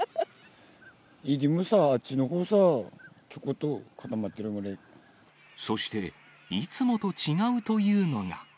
いつもはさ、あっちのほうさ、そして、いつもと違うというのが。